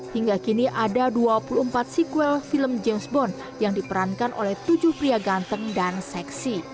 hingga kini ada dua puluh empat sequel film james bond yang diperankan oleh tujuh pria ganteng dan seksi